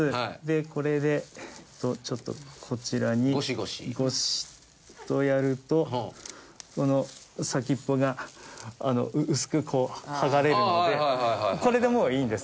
これでちょっとこちらにゴシッとやるとこの先っぽが薄くこう剥がれるのでこれでもういいんです。